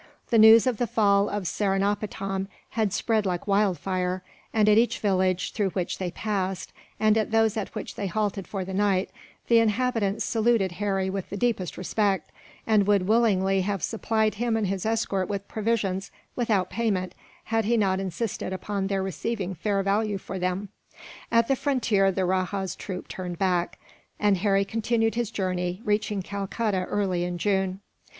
The news of the fall of Seringapatam had spread like wildfire, and at each village through which they passed, and at those in which they halted for the night, the inhabitants saluted Harry with the deepest respect; and would willingly have supplied him and his escort with provisions, without payment, had he not insisted upon their receiving fair value for them. At the frontier the rajah's troop turned back, and Harry continued his journey, reaching Calcutta early in June.